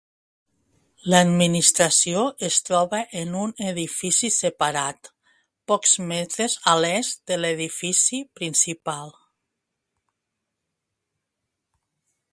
L'administració es troba en un edifici separat, pocs metres a l'est de l'edifici principal.